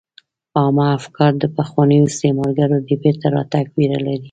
عامه افکار د پخوانیو استعمارګرو د بیرته راتګ ویره لري